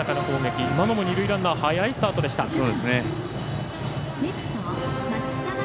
今のも二塁ランナー早いスタートでした。